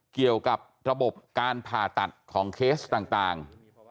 เกี่ยวกับระบบการผ่าตัดของเคสต่าง